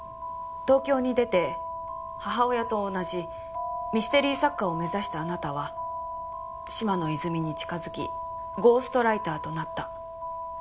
東京に出て母親と同じミステリー作家を目指したあなたは嶋野泉水に近づきゴーストライターとなった。